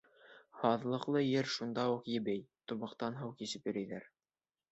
Һаҙлыҡлы ер шунда уҡ ебей, тубыҡтан һыу кисеп йөрөйҙәр.